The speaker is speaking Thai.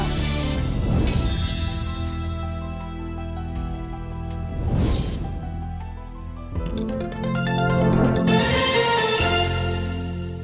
โปรดติดตามตอนต่อไป